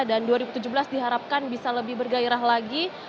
dan dua ribu tujuh belas diharapkan bisa lebih bergairah lagi